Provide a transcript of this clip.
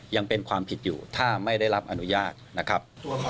ยังเป็นความผิดอยู่ถ้าไม่ได้รับอนุญาตนะครับ